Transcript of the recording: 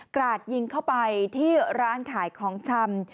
ราดยิงเข้าไปที่ร้านขายของชำ